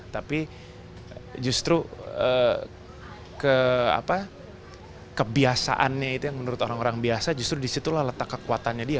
tapi justru kebiasaannya itu yang menurut orang orang biasa justru disitulah letak kekuatannya dia